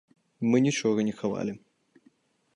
Мы нічога не хавалі.